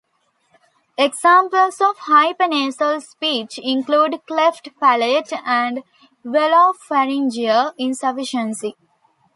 Examples of hypernasal speech include cleft palate and velopharyngeal insufficiency.